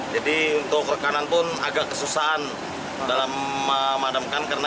jadi untuk rekanan pun agak kesusahan dalam memadamkan